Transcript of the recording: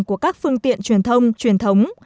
của các phương tiện truyền thông truyền thống